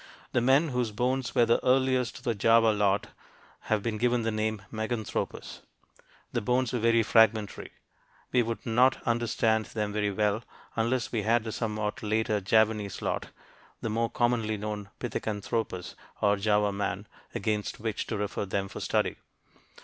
The men whose bones were the earliest of the Java lot have been given the name Meganthropus. The bones are very fragmentary. We would not understand them very well unless we had the somewhat later Javanese lot the more commonly known Pithecanthropus or "Java man" against which to refer them for study.